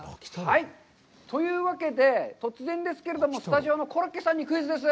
というわけで、突然ですけれども、スタジオのコロッケさんにクイズです。